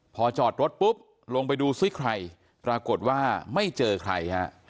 พอจอดรถปุ๊บลงไปดูซิใครปรากฏว่าไม่เจอใครฮะ